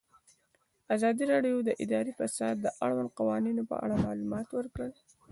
ازادي راډیو د اداري فساد د اړونده قوانینو په اړه معلومات ورکړي.